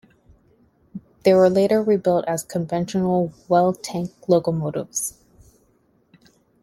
They were later rebuilt as conventional well-tank locomotives.